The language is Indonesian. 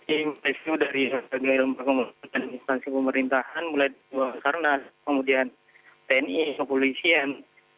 ini pesu dari agar kemudian instansi pemerintahan mulai di luar sana kemudian tni kepolisian